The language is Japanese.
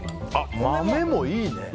豆もいいね。